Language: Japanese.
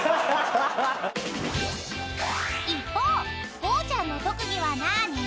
［一方ごうちゃんの特技は何？］